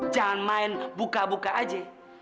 jangan main buka buka aja